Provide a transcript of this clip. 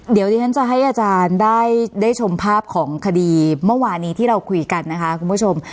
เดี๋ยวที่ฉันจะให้อาจารย์ได้ชมภาพของคดีเมื่อวานี้ที่เราคุยกันนะคะคุณผู้ชม